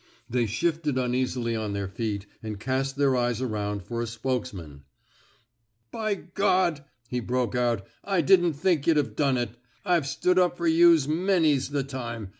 They shifted uneasily on their feet and cast their eyes around for a spokesman. By G ,*' he broke out, I didn't think yuh'd Ve done it. IVe stood up fer youse many's the time.